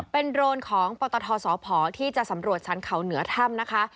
เป็นโรนของปตทสพที่จะสำรวจชั้นเขาเหนือถ้ำนะคะ